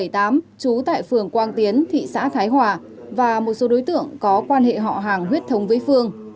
trú tại phường quang tiến thị xã thái hòa và một số đối tượng có quan hệ họ hàng huyết thống với phương